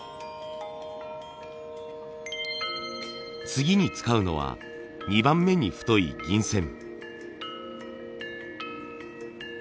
次に使うのは２番目に太い銀線。